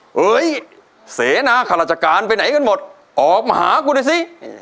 เฮ้ยเสนาข้าราชการไปไหนกันหมดออกมาหากูหน่อยสิ